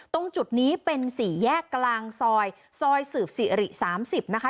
ตรงจุดนี้เป็นสี่แยกกลางซอยซอยสืบสิริ๓๐นะคะ